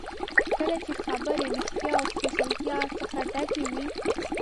کله چې خبرې ریښتیا او سپېڅلتیا څخه ډکې وي.